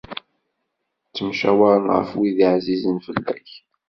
Ttemcawaṛen ɣef wid ɛzizen fell-ak.